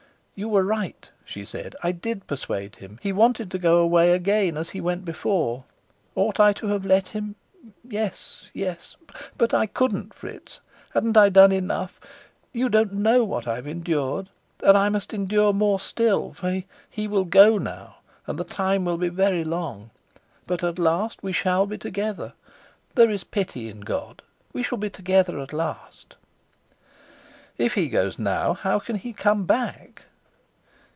"You were right," she said: "I did persuade him. He wanted to go away again as he went before. Ought I to have let him? Yes, yes! But I couldn't. Fritz, hadn't I done enough? You don't know what I've endured. And I must endure more still. For he will go now, and the time will be very long. But, at last, we shall be together. There is pity in God; we shall be together at last." "If he goes now, how can he come back?"